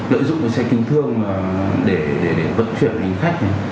dễ dụng xe kinh thương để vận chuyển đến khách